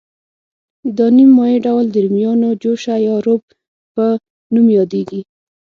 دا نیم مایع ډول د رومیانو جوشه یا روب په نوم یادیږي.